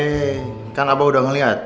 ini kan abah udah ngelihat